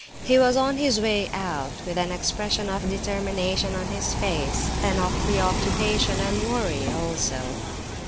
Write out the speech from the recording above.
He was on his way out, with an expression of determination on his face, and of preoccupation and worry also.